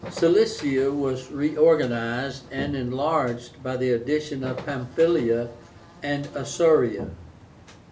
Cilicia was reorganized, and enlarged by the addition of Pamphylia and Isauria.